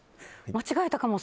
間違えたかも。